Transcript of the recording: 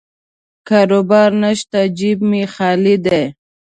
کاروبار نشته، جیب مې خالي دی.